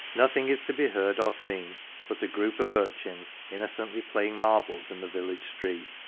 nothing is to be heard or seen but a group of urchins innocently playing marbles in the village street.